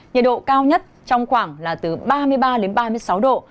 nhiệt độ cao nhất trong khoảng là từ ba mươi ba đến ba mươi sáu độ